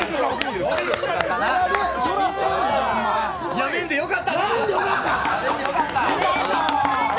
やめんでよかったな。